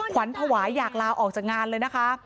ขวัญภาวะอยากลาออกจากงานเลยนะคะ